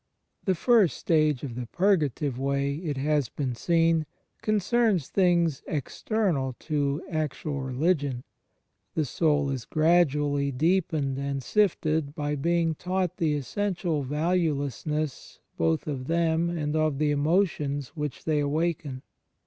The first stage of the Purgative Way, it has been seen, concerns things external to actual religion: the soul is gradually deepened and sifted by being taught the essential valuelessness both of them and of the emotions which they awaken.